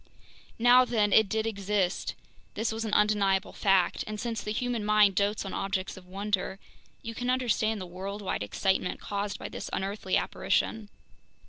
Now then, it did exist, this was an undeniable fact; and since the human mind dotes on objects of wonder, you can understand the worldwide excitement caused by this unearthly apparition.